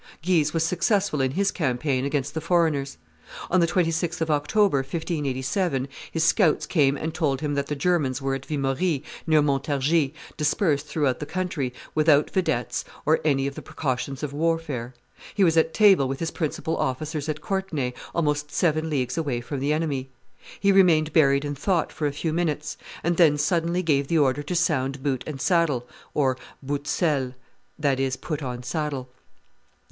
Guise was successful in his campaign against the foreigners: on the 26th of October, 1587, his scouts came and told him that the Germans were at Vimory, near Montargis, dispersed throughout the country, without vedettes or any of the precautions of warfare; he was at table with his principal officers at Courtenay, almost seven leagues away from the enemy; he remained buried in thought for a few minutes, and then suddenly gave the order to sound boot and saddle [boute selle, i.e., put on saddle].